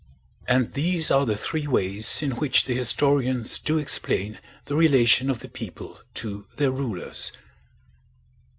And these are the three ways in which the historians do explain the relation of the people to their rulers.